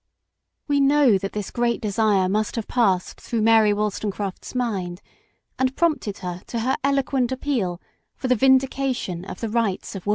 We know that this great desire must have passed through Mary Wollstonecraft 's mind and prompted her to her eloquent appeal for the " vindication of the rights of woman."